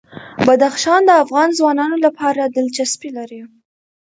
بدخشان د افغان ځوانانو لپاره دلچسپي لري.